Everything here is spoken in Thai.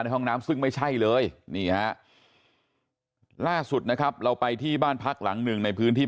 ห้องน้ำซึ่งไม่ใช่เลยนี่ฮะล่าสุดนะครับเราไปที่บ้านพักหลังหนึ่งในพื้นที่